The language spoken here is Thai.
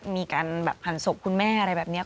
มีการแบบหันศพคุณแม่อะไรแบบนี้